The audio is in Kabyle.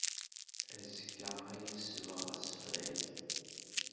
Azekka ad yesbeɣ asefreg.